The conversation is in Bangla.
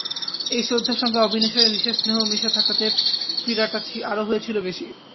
এই শ্রদ্ধার সঙ্গে অবনীশের বিশেষ স্নেহ মিশে থাকাতে পীড়াটা আরো হয়েছিল বেশি।